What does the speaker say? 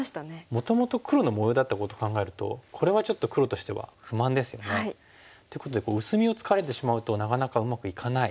もともと黒の模様だったことを考えるとこれはちょっと黒としては不満ですよね。っていうことで薄みをつかれてしまうとなかなかうまくいかない。